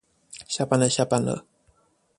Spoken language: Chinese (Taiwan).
下班了下班了